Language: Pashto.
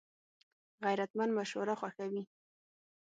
غیرتمند مشوره خوښوي